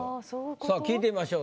さあ聞いてみましょう。